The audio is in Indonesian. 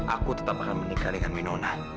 aku tetap akan menikah dengan menona